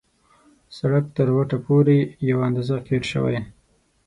سړک تر وټه پورې یو اندازه قیر شوی.